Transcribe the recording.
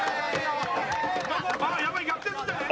やばい逆転するんじゃない？